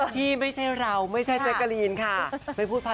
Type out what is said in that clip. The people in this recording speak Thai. ที่ไม่ใช่เราไม่ใช่เจ๊กกะลีนค่ะ